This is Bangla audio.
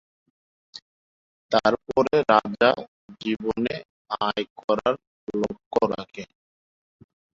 তারপরে রাজা জীবনে আয় করার লক্ষ্য রাখে।